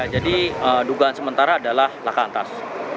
jadi dugaan sementara adalah lakantas